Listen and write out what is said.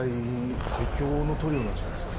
最強のトリオなんじゃないですか。